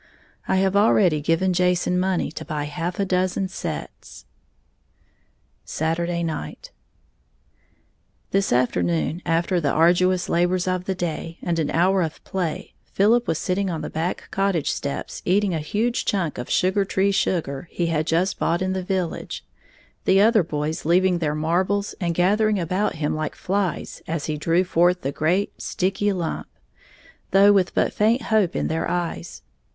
I have already given Jason money to buy half a dozen sets. Saturday Night. This afternoon, after the arduous labors of the day, and an hour of play, Philip was sitting on the back cottage steps eating a huge chunk of "sugar tree sugar" he had just bought in the village, the other boys leaving their marbles and gathering about him like flies as he drew forth the great, sticky lump, though with but faint hope in their eyes.